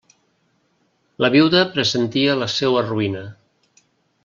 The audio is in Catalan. La viuda pressentia la seua ruïna.